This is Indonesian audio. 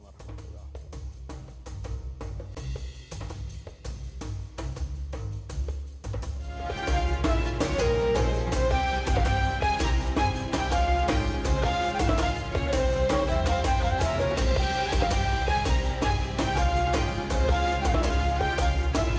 wassalamualaikum warahmatullahi wabarakatuh